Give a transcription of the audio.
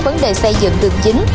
vấn đề xây dựng tương chính